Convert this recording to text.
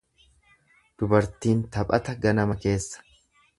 Dubartiin taphata ganama keessa.